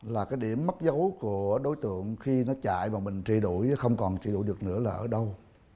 là cái điểm mất dấu của đối tượng khi nó chạy và mình trị đuổi không còn trị đụi được nữa là ở đâu